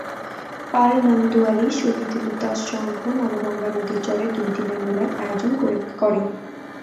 পারনান্দুয়ালী শহীদ লুতাশ সংঘ নবগঙ্গা নদীর চরে দুই দিনের মেলার আয়োজন করে।